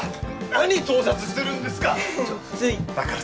何盗撮してるんですか？